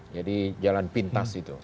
jadi jalan pintas itu